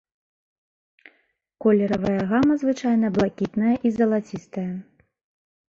Колеравая гама звычайна блакітная і залацістая.